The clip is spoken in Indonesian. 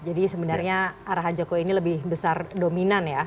jadi sebenarnya arahan jokowi ini lebih besar dominan ya